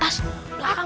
tuh atas tuh pohon